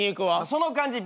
その感じ